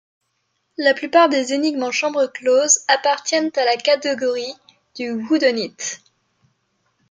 La plupart des énigmes en chambre close appartiennent à la catégorie du whodunit.